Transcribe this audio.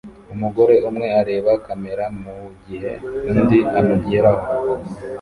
Umugore umwe areba kamera mugihe undi amugeraho